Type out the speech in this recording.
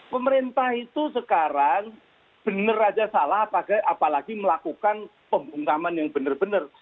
pemerintah itu sekarang bener aja salah apalagi melakukan pembungkaman yang benar benar